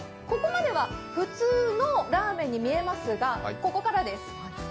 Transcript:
ここまでは普通のラーメンに見えますがここからです。